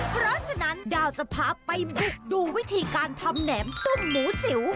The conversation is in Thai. เพราะฉะนั้นดาวจะพาไปบุกดูวิธีการทำแหนมตุ้มหมูจิ๋ว